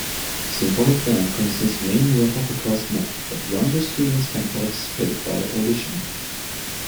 Symphonic Band consists mainly of upperclassmen, but younger students can participate by audition.